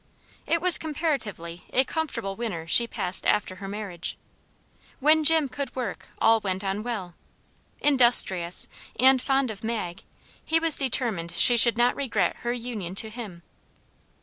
It was comparatively a comfortable winter she passed after her marriage. When Jim could work, all went on well. Industrious, and fond of Mag, he was determined she should not regret her union to him.